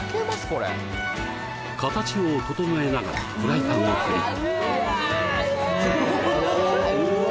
これ形を整えながらフライパンを振りおお！